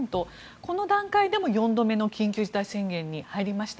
この段階でも４度目の緊急事態宣言に入りました。